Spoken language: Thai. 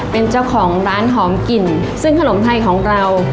เป็นเจ้าของร้านหอมกลิ่นซึ่งขนมไทยของเรา